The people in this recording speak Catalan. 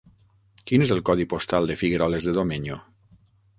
Quin és el codi postal de Figueroles de Domenyo?